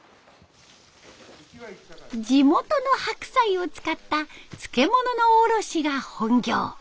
地元の白菜を使った漬物の卸しが本業。